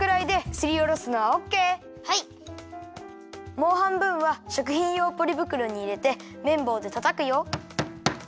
もうはんぶんはしょくひんようポリぶくろにいれてめんぼうでたたくよ。